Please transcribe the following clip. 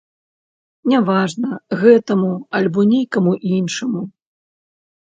Няважна, гэтаму, альбо нейкаму іншаму.